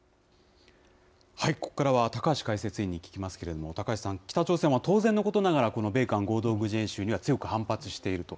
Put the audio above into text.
ここからは高橋解説委員に聞きますけれども、高橋さん、北朝鮮は当然のことながら、この米韓合同軍事演習には強く反発していると。